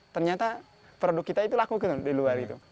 ternyata produk kita itu laku di luar itu